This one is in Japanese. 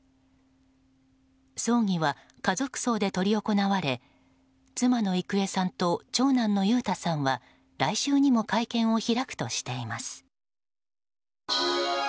葬儀は家族葬で執り行われ妻の郁恵さんと長男の裕太さんは来週にも会見を開くとしています。